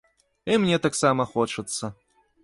І мне таксама хочацца.